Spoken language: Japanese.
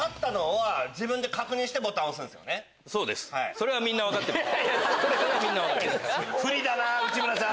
それはみんな分かってます。